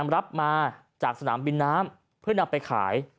รับมาจากสนามบินน้ำเพื่อนำไปขาย